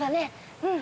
うん。